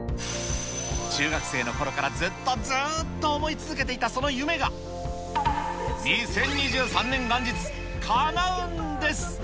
中学生のころからずっとずーっと思い続けていたその夢が、２０２３年元日、かなうんです。